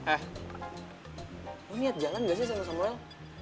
eh lo niat jalan gak sih sama samuel